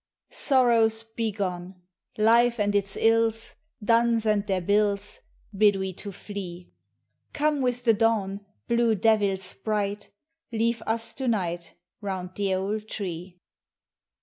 Sorrows, begone! Life and its ills. Duns and their bills, Bid we to flee. Come with the dawn, Blue devil sprite; Leave us to night, Round the old tree